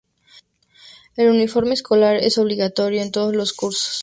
El uniforme escolar es obligatorio en todos los cursos.